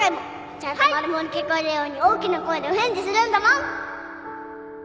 ちゃんとマルモに聞こえるように大きな声でお返事するんだもん